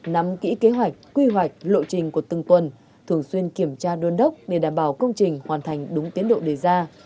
nắm kỹ kế hoạch quy hoạch lộ trình của từng tuần thường xuyên kiểm tra đôn đốc để đảm bảo công trình hoàn thành đúng tiến độ đề ra